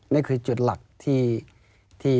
นั่นคือจุดหลักที่